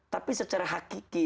tapi secara hakiki